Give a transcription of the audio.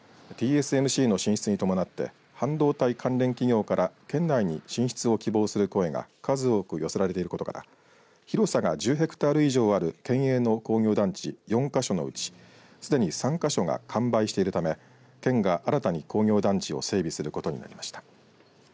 ＴＳＭＣの進出に伴って半導体関連企業から県内に進出を希望する声が数多く寄せられていることから広さが１０ヘクタール以上ある県営の工業団地４か所のうちすでに３か所が完売しているため県が新たに工業団地を整備することになりました。